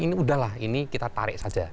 ini udahlah ini kita tarik saja